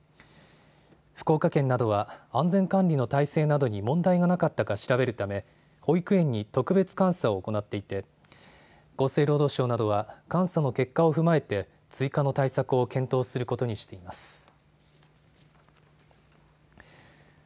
福岡県などは、安全管理の体制などに問題がなかったか調べるため、保育園に特別監査を行っていて、厚生労働省などは監査の結果を踏まえて、追加の対策を検討することにしています。